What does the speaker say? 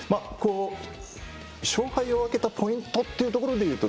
勝敗を分けたポイントというところでいうと